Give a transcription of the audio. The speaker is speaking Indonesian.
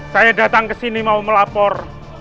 saya datang ke sini mau melapor